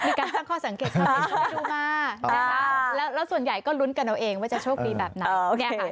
มีการตั้งข้อสังเกตคำนี้ไปดูมานะคะแล้วส่วนใหญ่ก็ลุ้นกันเอาเองว่าจะโชคดีแบบไหน